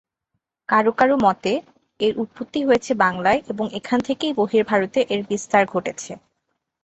কারও কারও মতে, এর উৎপত্তি হয়েছে বাংলায় এবং এখান থেকেই বহির্ভারতে এর বিস্তার ঘটেছে।